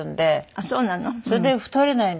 あっそうなの。